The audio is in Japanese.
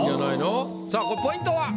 さあこれポイントは？